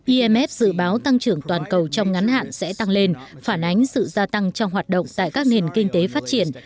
imf dự báo tăng trưởng toàn cầu trong ngắn hạn sẽ tăng lên phản ánh sự gia tăng trong hoạt động tại các nền kinh tế phát triển